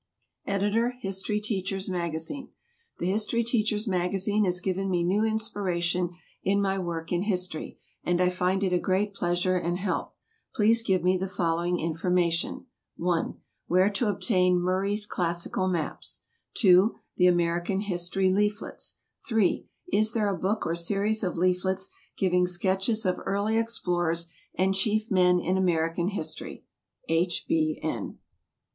Editor HISTORY TEACHER'S MAGAZINE. THE HISTORY TEACHER'S MAGAZINE has given me new inspiration in my work in history, and I find it a great pleasure and help. Please give me the following information: (1) Where to obtain Murray's Classical Maps, (2) the American History Leaflets, (3) is there a book or series of leaflets giving sketches of early explorers and chief men in American history? H. B. N.